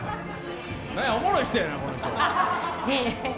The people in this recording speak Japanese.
おもろい人やな。